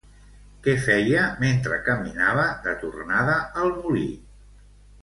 Què feia mentre caminava de tornada al molí?